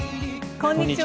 こんにちは。